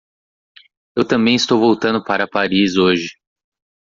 Eu também estou voltando para Paris hoje.